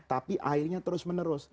tapi airnya terus menerus